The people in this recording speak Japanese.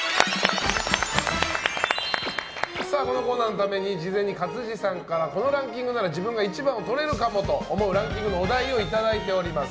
このコーナーのために事前に勝地さんからこのランキングなら自分が一番をとれるかもというランキングのお題をいただいております。